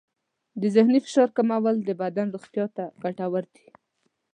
د ذهني فشار کمول د بدن روغتیا ته ګټور دی.